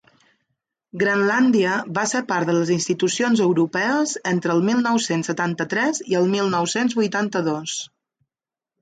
Grenlàndia va ser part de les institucions europees entre el mil nou-cents setanta-tres i el mil nou-cents vuitanta-dos.